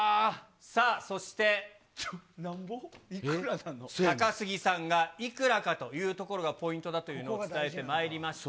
さあ、そして、高杉さんがいくらかというところがポイントだというのを伝えてまいりました。